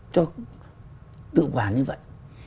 cho tự quản như vậy